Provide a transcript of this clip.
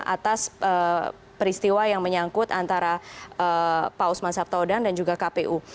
atas peristiwa yang menyangkut antara pak usman sabtao dan juga kpu